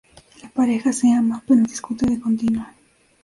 La pareja se ama, pero discute de continuo.